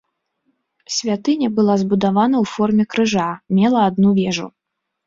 Святыня была збудавана ў форме крыжа, мела адну вежу.